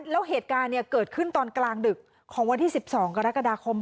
แล้วเหตุการณ์เกิดขึ้นตอนกลางดึกของวันที่๑๒กรกฎาคม